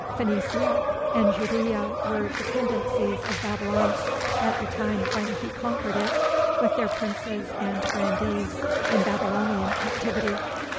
Phenicia and Judæa were dependencies of Babylon, at the time when he conquered it, with their princes and grandees in Babylonian captivity.